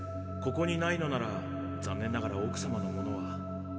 ここにないのなら残念ながらおくさまのものは。